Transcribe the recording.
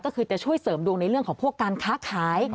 ก็คือจะช่วยเสริมดวงในเรื่องของพวกการค้าขาย